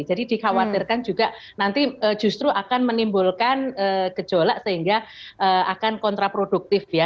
jadi dikhawatirkan juga nanti justru akan menimbulkan kejolak sehingga akan kontraproduktif ya